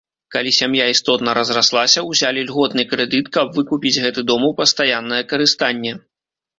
Калі сям'я істотна разраслася, узялі льготны крэдыт, каб выкупіць гэты дом у пастаяннае карыстанне.